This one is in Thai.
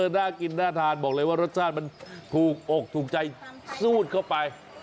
น่ากินน่าทานบอกเลยว่ารสชาติมันถูกอกถูกใจสูดเข้าไป